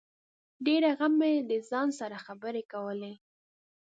د ډېره غمه مې د ځان سره خبري کولې